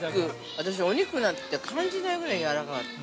私、お肉なんて感じないぐらい、やわらかかった。